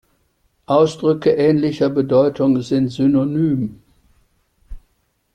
Ausdrücke ähnlicher Bedeutung sind synonym.